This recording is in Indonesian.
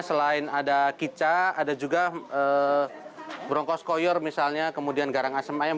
selain ada kicak ada juga bronkos koyor misalnya kemudian garang asam ayam